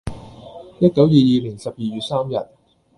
一九二二年十二月三日，